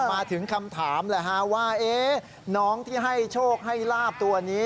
มาถึงคำถามแหละฮะว่าน้องที่ให้โชคให้ลาบตัวนี้